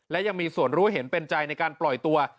และยังมีส่วนรู้เห็นเป็นใจในการปล่อยตัว